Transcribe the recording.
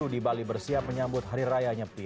di bali bersiap menyambut hari raya nyepi